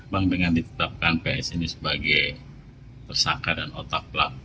bang dengan ditetapkan ps ini sebagai tersangka dan otak pelaku